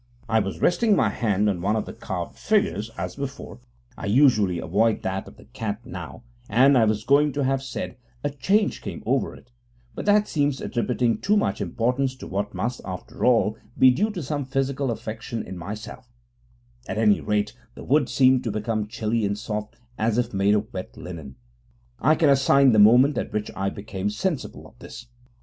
I was resting my hand on one of the carved figures, as before (I usually avoid that of the cat now), and I was going to have said a change came over it, but that seems attributing too much importance to what must, after all, be due to some physical affection in myself: at any rate, the wood seemed to become chilly and soft as if made of wet linen. I can assign the moment at which I became sensible of this.